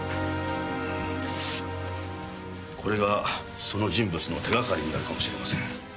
これがその人物の手がかりになるかもしれません。